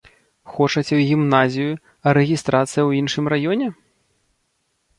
Хочаце ў гімназію, а рэгістрацыя ў іншым раёне?